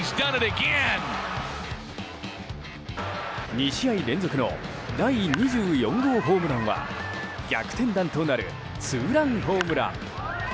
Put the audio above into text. ２試合連続の第２４号ホームランは逆転弾となるツーランホームラン。